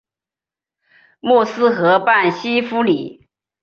默斯河畔西夫里。